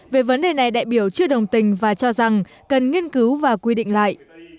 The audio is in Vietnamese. về vấn đề này đại biểu chưa đồng tình và cho rằng cần nghiên cứu và quy định lại